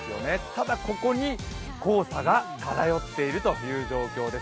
ただここに黄砂が漂っているという状況です。